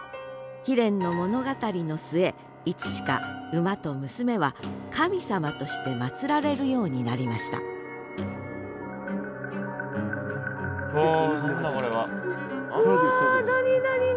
悲恋の物語の末いつしか馬と娘は神様として祭られるようになりましたうわ。